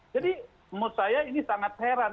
jadi menurut saya ini sangat heran